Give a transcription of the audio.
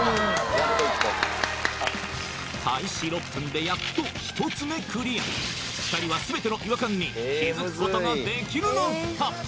やっと１個開始６分でやっと１つ目クリア２人は全ての違和感に気づくことができるのか？